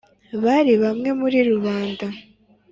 bari bamwe muri rubanda.